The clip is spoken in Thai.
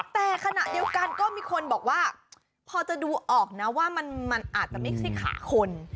แต่ขณะเดียวกันก็มีคนบอกว่าพอจะดูออกนะว่ามันอาจจะไม่ใช่ขาคน